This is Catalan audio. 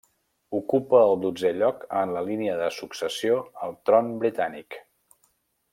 Ocupa el dotzè lloc en la línia de successió al tron britànic.